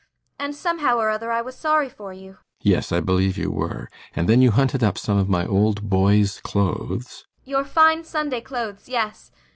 And somehow or other I was sorry for you ALLMERS. Yes, I believe you were. And then you hunted up some of my old boy's clothes ASTA. Your fine Sunday clothes yes.